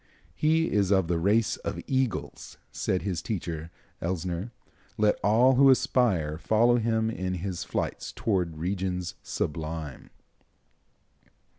"He is of the race of eagles," said his teacher, Elsner. "Let all who aspire follow him in his flights toward regions sublime."